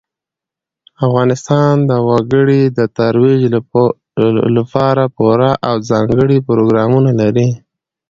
افغانستان د وګړي د ترویج لپاره پوره او ځانګړي پروګرامونه لري.